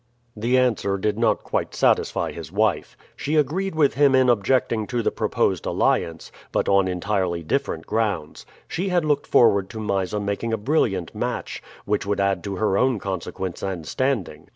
The answer did not quite satisfy his wife. She agreed with him in objecting to the proposed alliance, but on entirely different grounds. She had looked forward to Mysa making a brilliant match, which would add to her own consequence and standing.